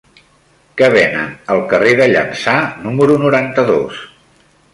Què venen al carrer de Llança número noranta-dos?